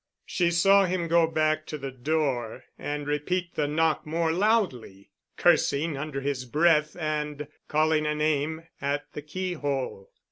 She saw him go back to the door and repeat the knock more loudly, cursing under his breath and, calling a name at the key hole.